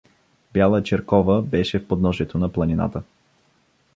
Бяла черкова беше в подножието на планината!